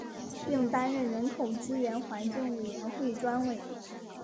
并担任人口资源环境委员会专委。